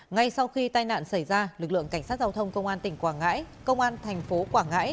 ngay sau khi tai nạn xảy ra lực lượng cảnh sát giao thông công an tỉnh quảng ngãi công an thành phố quảng ngãi